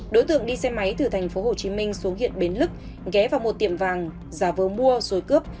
đối tượng đi xe máy từ tp hcm xuống huyện bến lức ghé vào một tiệm vàng giả vờ mua rồi cướp